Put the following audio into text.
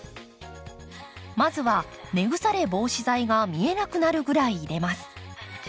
まずは根腐れ防止剤が見えなくなるぐらい入れます。